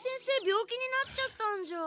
病気になっちゃったんじゃ。